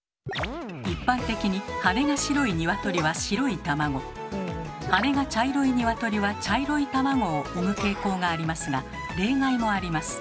一般的に羽が白い鶏は白い卵羽が茶色い鶏は茶色い卵を産む傾向がありますが例外もあります。